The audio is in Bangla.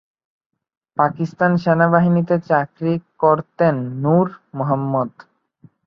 পাকিস্তান সেনাবাহিনীতে চাকরি করতেন নূর মোহাম্মদ।